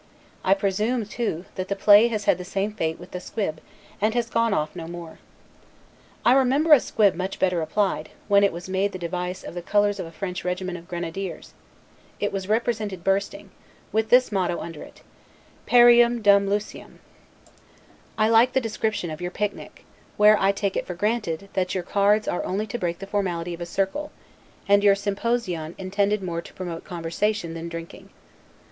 I presume, too, that the play has had the same fate with the squib, and has gone off no more. I remember a squib much better applied, when it was made the device of the colors of a French regiment of grenadiers; it was represented bursting, with this motto under it: 'Peream dum luceam'. I like the description of your PIC NIC; where I take it for granted, that your cards are only to break the formality of a circle, and your SYMPOSION intended more to promote conversation than drinking.